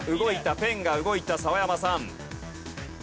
ペンが動いた澤山さん。